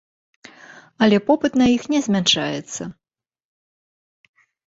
Але попыт на іх не змяншаецца!